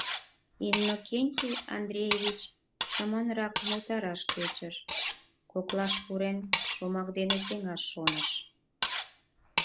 Иннокентий Андреевич шыманрак умылтарашат тӧчыш, коклаш пурен, шомак денат сеҥаш шоныш.